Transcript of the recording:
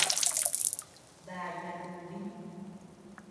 Dáaya dudi.